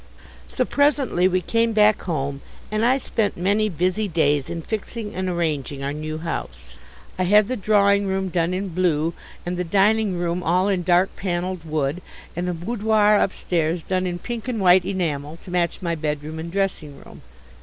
So presently we came back home, and I spent many busy days in fixing and arranging our new house. I had the drawing room done in blue, and the dining room all in dark panelled wood, and a boudoir upstairs done in pink and white enamel to match my bedroom and dressing room.